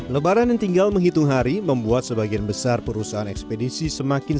lebaran yang tinggal menghitung hari membuat sebagian besar perusahaan ekspedisi semakin